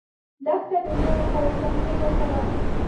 دښته د ژوند له فلسفې ډکه ده.